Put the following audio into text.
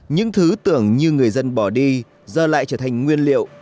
những thứ tưởng như người dân bỏ đi giờ lại trở thành nguyên liệu